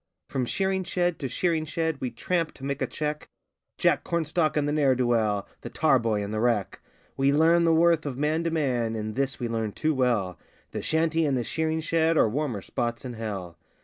From shearing shed to shearing shed we tramp to make a cheque Jack Cornstalk and the ne'er do weel the tar boy and the wreck. We learn the worth of man to man and this we learn too well The shanty and the shearing shed are warmer spots in hell!